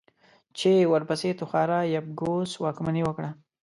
چې ورپسې توخارا يبگوس واکمني وکړه.